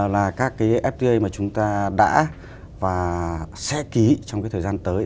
là các cái fta mà chúng ta đã và sẽ ký trong cái thời gian tới